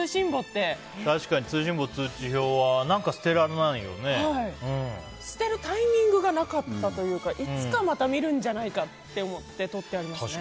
確かに通信簿、通知表は捨てるタイミングがなかったというかいつかまた見るんじゃないかって思ってとってありますね。